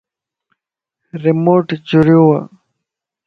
ريموٽ جريوَ